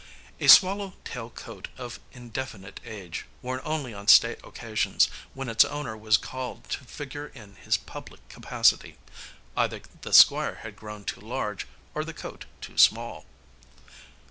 A swallow tail coat of indefinite age, worn only on state occasions, when its owner was called to figure in his public capacity. Either the Squire had grown too large or the coat too small.